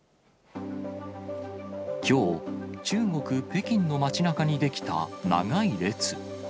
きょう、中国・北京の町なかに出来た長い列。